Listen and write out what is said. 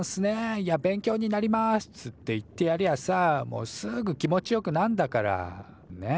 いや勉強になります」っつって言ってやりゃあさあもうすぐ気持ちよくなんだから。ね？